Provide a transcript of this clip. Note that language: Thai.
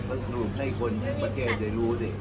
ก็สรุปให้คนท่านนึงมาแก้ใจรู้สิ